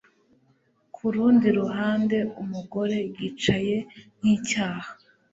ku rundi ruhande umugore yicaye nk'icyaha